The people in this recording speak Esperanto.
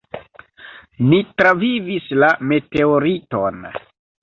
"Ni travivis la meteoriton."